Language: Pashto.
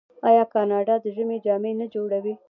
آیا کاناډا د ژمي جامې نه جوړوي؟